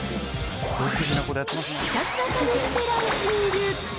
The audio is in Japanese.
ひたすら試してランキング。